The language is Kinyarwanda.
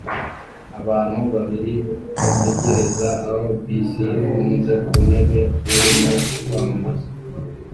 Abantu babiri bategereza aho bisi ifunze ku ntebe irimo kwamamaza